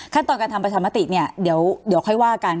ขั้นตอนการทำประชามติกเนี้ยเดี๋ยวเดี๋ยวค่อยว่ากัน